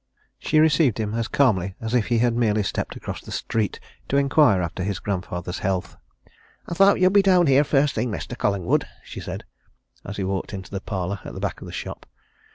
She received him as calmly as if he had merely stepped across the street to inquire after his grandfather's health. "I thowt ye'd be down here first thing, Mestur Collingwood," she said, as he walked into the parlor at the back of the shop.